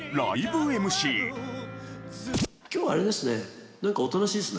今日はあれですね。